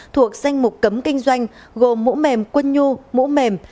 thuộc danh mục cấm kinh doanh gồm mũ mềm quân nhu mũ mềm